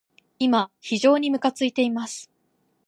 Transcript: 今、非常にむかついています。